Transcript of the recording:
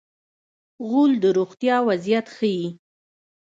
غول د روغتیا وضعیت ښيي.